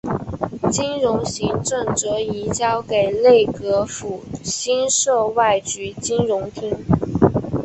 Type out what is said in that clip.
金融行政则移交给内阁府新设外局金融厅。